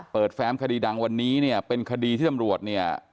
แฟมคดีดังวันนี้เนี่ยเป็นคดีที่ตำรวจเนี่ย